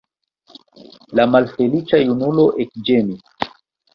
La malfeliĉa junulo ekĝemis.